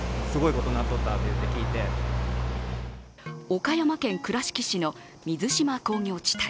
岡山県倉敷市の水島工業地帯。